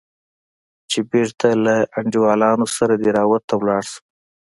چې بېرته له انډيوالانو سره دهراوت ته ولاړ سم.